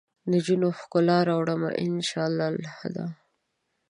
نجونو ؛ ښکلا راوړمه ، ان شا اللهدا